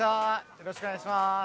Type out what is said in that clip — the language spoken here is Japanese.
よろしくお願いします